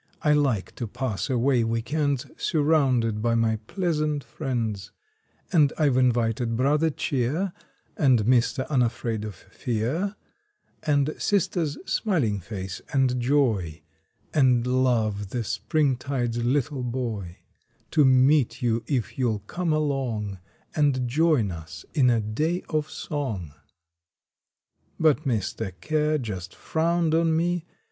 I like to pass away week ends Surrounded by my pleasant friends, And I ve invited Brother Cheer, And Mr. Unafraid of Fear, And Sisters Smiling Face and Joy, And Love, the Springtide s little boy, To meet you if you ll come along And join us in a day of song." But Mr. Care just frowned on me.